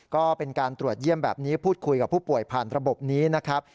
ก็เป็นการตรวจเยี่ยมแบบนี้พูดคุยกับผู้ป่วยผ่านระบบนี้นะครับ